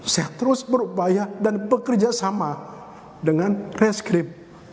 saya terus berupaya dan bekerja sama dengan reskrip